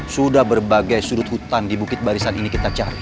sudah berbagai sudut hutan di bukit barisan ini kita cari